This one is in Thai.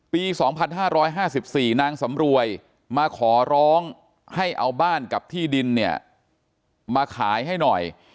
ปี๒๕๕๔นางสำรวยมาขอร้องให้เอาบ้านกับที่ดินเนี่ยมาขายให้หน่อย